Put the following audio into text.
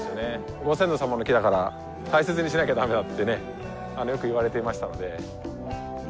ご先祖様の木だから大切にしなきゃダメだってねよく言われていましたので。